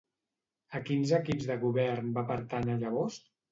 A quins equips de govern va pertànyer llavors?